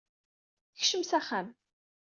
Kcem s axxam.